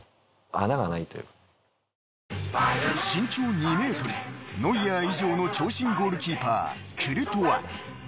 ［身長２ｍノイアー以上の長身ゴールキーパークルトワ］